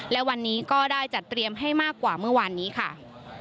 และวันนี้ก็ได้จัดเตรียมให้มากกว่าเมื่อวานนี้ค่ะ